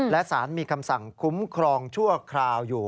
และสารมีคำสั่งคุ้มครองชั่วคราวอยู่